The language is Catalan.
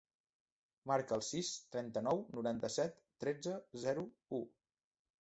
Marca el sis, trenta-nou, noranta-set, tretze, zero, u.